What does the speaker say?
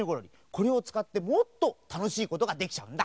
これをつかってもっとたのしいことができちゃうんだ。